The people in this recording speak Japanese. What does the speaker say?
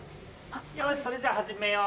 よしそれじゃ始めよう。